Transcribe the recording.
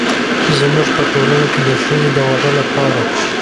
زموږ په ټولنه کې د ښځې د واده لپاره